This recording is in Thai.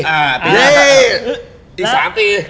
อ่าปีหน้าครับ